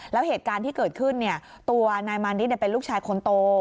แล้วเหตุการณ์ที่เกิดขึ้นตัวนายมานิดเป็นลูกชายคนโต